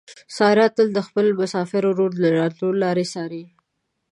ساره تل د خپل مسافر ورور د راتلو لارې څاري.